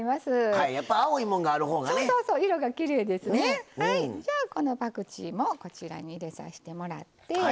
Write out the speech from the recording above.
はいじゃあこのパクチーもこちらに入れさせてもらって。